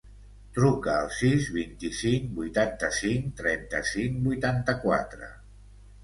Truca al sis, vint-i-cinc, vuitanta-cinc, trenta-cinc, vuitanta-quatre.